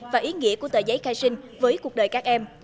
và ý nghĩa của tờ giấy khai sinh với cuộc đời các em